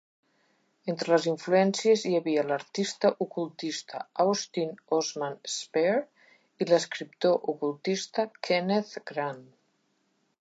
Entre les influències hi havia l'artista ocultista Austin Osman Spare i l'escriptor ocultista Kenneth Grant.